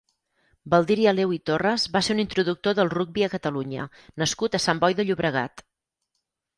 Baldiri Aleu i Torres va ser un introductor del rugbi a Catalunya nascut a Sant Boi de Llobregat.